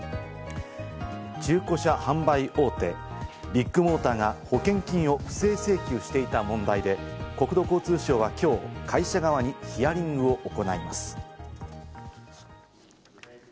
中古車販売大手・ビッグモーターが保険金を不正請求していた問題で、国土交通省はきょう、会社側にヒアリングを行います。